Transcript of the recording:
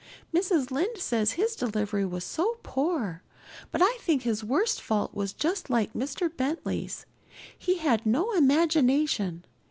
"Mrs. Lynde says his delivery was so poor, but I think his worst fault was just like Mr. Bentley's he had no imagination.